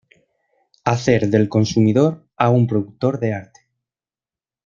Hacer del consumidor a un productor de arte.